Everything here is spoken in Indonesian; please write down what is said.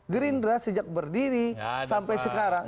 gerindra sejak berdiri sampai sekarang